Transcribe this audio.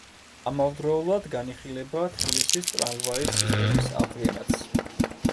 ამავდროულად განიხილება თბილისის ტრამვაის სისტემის აღდგენაც.